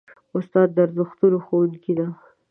استاد د ارزښتونو ښوونکی دی.